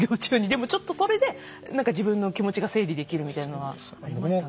でもちょっとそれで自分の気持ちが整理できるみたいなのはありましたね。